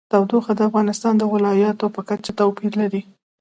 تودوخه د افغانستان د ولایاتو په کچه توپیر لري.